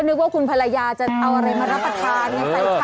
นึกว่าคุณภรรยาจะเอาอะไรมารับประทานไง